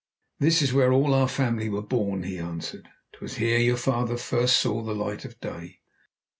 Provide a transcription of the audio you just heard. "This is where all our family were born," he answered. "'Twas here your father first saw the light of day."